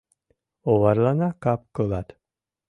Оварлана кап-кылат;